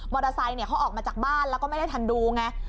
ไซค์เขาออกมาจากบ้านแล้วก็ไม่ได้ทันดูไง